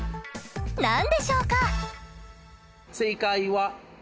何でしょうか？